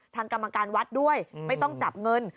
ทางกำลังการวัดด้วยไม่ต้องจับเงิน